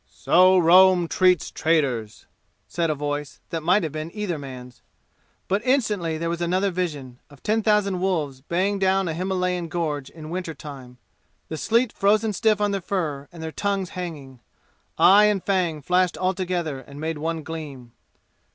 "So Rome treats traitors!" said a voice, that might have been either man's. But instantly there was another vision, of ten thousand wolves baying down a Himalayan gorge in winter time, the sleet frozen stiff on their fur and their tongues hanging. Eye and fang flashed altogether and made one gleam.